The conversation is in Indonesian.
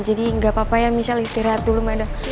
jadi gak apa apa ya michelle istirahat dulu madam